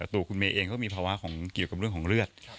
ตัวคุณเมเองเค้ามีภาษาแถวของเรื่องของเลือด